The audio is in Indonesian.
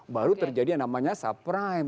baru terjadi yang namanya subprime